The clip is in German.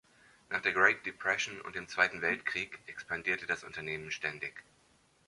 Nach der „Great Depression“ und dem Zweiten Weltkrieg expandierte das Unternehmen ständig.